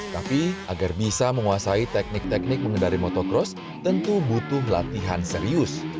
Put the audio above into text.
tapi agar bisa menguasai teknik teknik mengendari motocross tentu butuh latihan serius